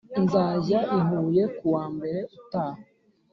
Nzajya I huye kuwa mbere utaha